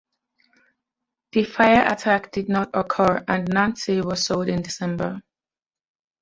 The fire attack did not occur and "Nancy" was sold in December.